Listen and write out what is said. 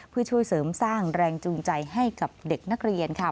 เพื่อช่วยเสริมสร้างแรงจูงใจให้กับเด็กนักเรียนค่ะ